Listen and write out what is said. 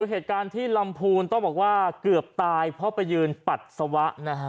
เหตุการณ์ที่ลำพูนต้องบอกว่าเกือบตายเพราะไปยืนปัสสาวะนะฮะ